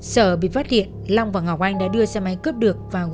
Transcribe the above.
sở bị phát hiện long và ngọc anh đã đưa xe máy cướp được và ngồi xuống